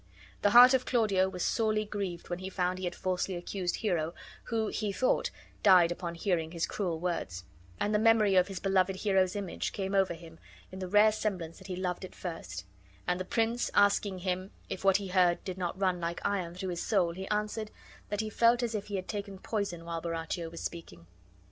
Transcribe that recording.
The heart of Claudio was sorely grieved when he found he bad falsely accused Hero, who, he thought, died upon bearing his cruel words; and the memory of his beloved Hero's image came over him in the rare semblance that he loved it first; and the prince, asking him if what he heard did not run like iron through his soul, he answered that he felt as if he had taken poison while Borachio was speaking.